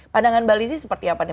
pandangan mbak lizzie seperti apa nih